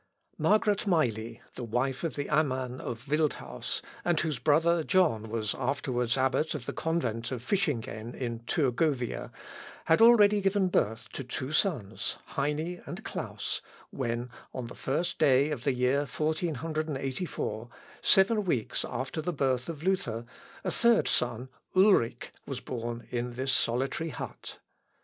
Margaret Meili, the wife of the amman of Wildhaus, and whose brother John was afterwards abbot of the convent of Fischingen in Thurgovia, had already given birth to two sons, Heini and Klaus, when, on the first day of the year 1484, seven weeks after the birth of Luther, a third son, Ulric, was born in this solitary hut.